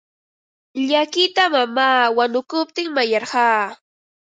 Llakita mamaa wanukuptin mayarqaa.